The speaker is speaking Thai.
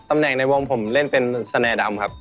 แหน่งในวงผมเล่นเป็นสแนดำครับ